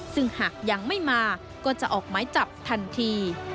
ซึ่งหากยังไม่มาก็จะออกหมายจับทันที